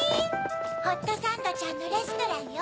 ホットサンドちゃんのレストランよ。